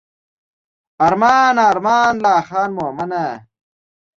ارمان ارمان لا خان مومنه.